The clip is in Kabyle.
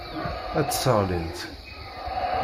Ad tt-sseɣlint.